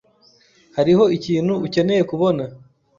Hariho ikintu ukeneye kubona.